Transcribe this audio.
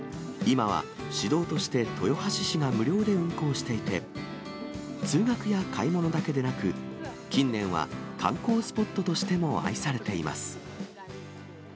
今は市道として豊橋市が無料で運航していて、通学や買い物だけでなく、近年は観光スポットとしても愛されています。